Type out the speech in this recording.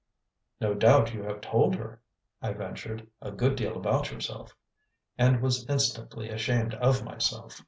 "No doubt you have told her," I ventured, "a good deal about yourself," and was instantly ashamed of myself.